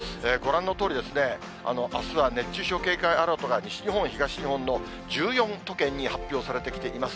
すでにきょうも大変な暑さなんですけれども、ご覧のとおり、あすは熱中症警戒アラートが西日本、東日本の１４都県に発表されてきています。